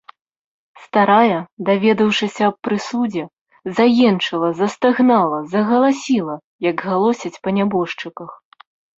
Старая, даведаўшыся аб прысудзе, заенчыла, застагнала, загаласіла, як галосяць па нябожчыках.